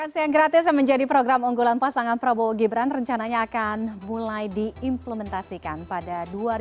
aksi yang gratis yang menjadi program unggulan pasangan prabowo gibran rencananya akan mulai diimplementasikan pada dua ribu dua puluh